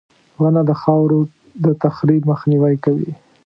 • ونه د خاورو د تخریب مخنیوی کوي.